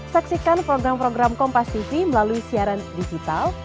saksikan program program kompas tv melalui siaran digital